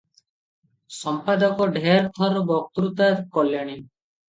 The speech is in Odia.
ସମ୍ପାଦକ ଢେର ଥର ବକ୍ତୃତା କଲେଣି ।